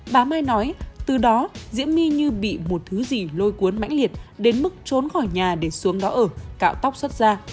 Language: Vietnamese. bà mai nói từ đó diễm my như bị một thứ gì lôi cuốn mãnh liệt đến mức trốn khỏi nhà để xuống đó ở cạo tóc xuất ra